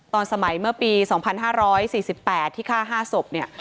ตอนสมัยเมื่อปี๒๕๔๘ที่ฆ่า๕ศพเนี่ย